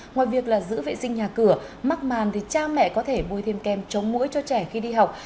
ngoài việc là giữ vệ sinh nhà cửa mắc màn thì cha mẹ có thể bôi thêm kem chống mũi cho trẻ khi đi học